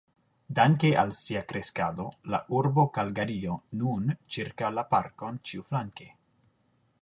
Danke al sia kreskado, la urbo Kalgario nun ĉirkaŭ la parkon ĉiuflanke.